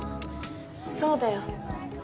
そうだよ。